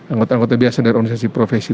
anggota anggota biasa dari organisasi profesi